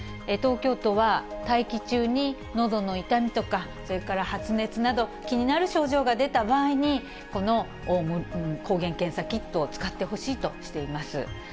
東京都は待機中に、のどの痛みとか、それから発熱など気になる症状が出た場合に、この抗原検査キットを使ってほしいとしています。